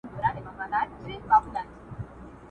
ما ته خدای وو دا وړیا نغمت راکړی؛